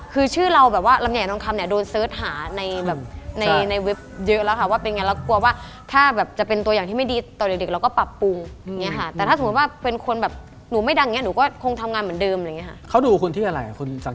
คือชื่อเราแบบว่าลำไหยน้องคำเนี่ย